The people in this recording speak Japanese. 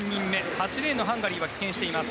８レーンのハンガリーは棄権しています